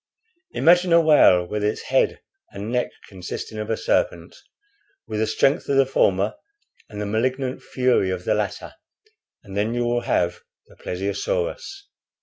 Imagine a whale with its head and neck consisting of a serpent, with the strength of the former and the malignant fury of the latter, and then you will have the plesiosaurus.